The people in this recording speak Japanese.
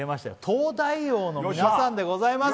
「東大王」の皆さんでございます。